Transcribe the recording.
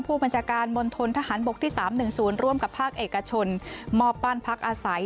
ผู้บัญชาการมณฑนทหารบกที่๓๑๐ร่วมกับภาคเอกชนมอบบ้านพักอาศัย